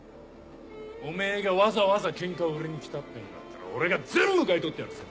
おめぇがわざわざケンカを売りに来たっていうんだったら俺が全部買い取ってやるぜ。